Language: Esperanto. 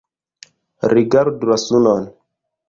Rigardu la sunon!